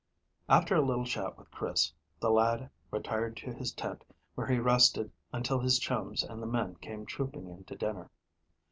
After a little chat with Chris, the lad retired to his tent, where he rested until his chums and the men came trooping in to dinner.